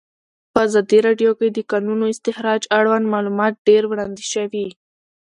په ازادي راډیو کې د د کانونو استخراج اړوند معلومات ډېر وړاندې شوي.